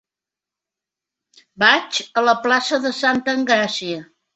Vaig a la plaça de Santa Engràcia.